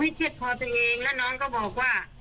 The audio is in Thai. เช็ดคอตัวเองแล้วน้องก็บอกว่า